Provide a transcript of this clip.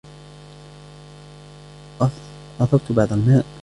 أضفت بعض الماء